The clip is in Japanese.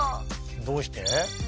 どうして？